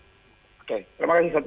oke terima kasih